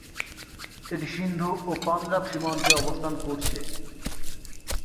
এটি সিন্ধু ও পাঞ্জাব সীমান্তে অবস্থান করছে।